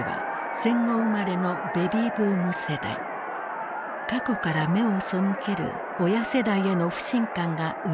過去から目を背ける親世代への不信感が渦巻いていた。